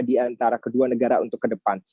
di antara kedua negara untuk ke depan